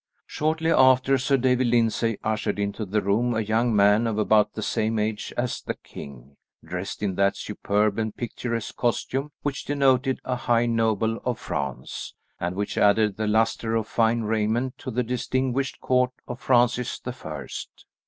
Shortly after Sir David Lyndsay ushered into the room a young man of about the same age as the king, dressed in that superb and picturesque costume which denoted a high noble of France, and which added the lustre of fine raiment to the distinguished court of Francis the First.